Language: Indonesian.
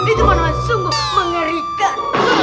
itu mana sungguh mengerikan